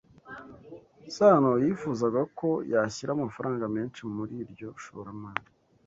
Sano yifuzaga ko yashyira amafaranga menshi muri iryo shoramari.